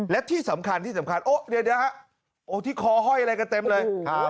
และที่สำคัญที่สำคัญโอ๊ะเดี๋ยวฮะโอ้ที่คอห้อยอะไรกันเต็มเลย